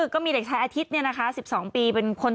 ก็มีเด็กชายอาธิตเป็นคนโต๑๒ปี